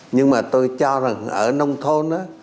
nhưng mà tôi cho rằng ở nông thôn